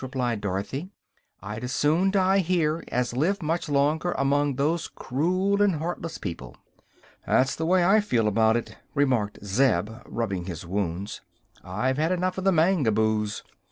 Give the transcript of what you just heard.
replied Dorothy. "I'd as soon die here as live much longer among those cruel and heartless people." "That's the way I feel about it," remarked Zeb, rubbing his wounds. "I've had enough of the Mangaboos."